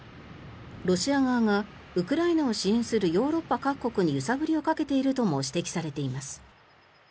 ロシア側がウクライナを支援するヨーロッパ各国に揺さぶりをかけているとも指摘されています。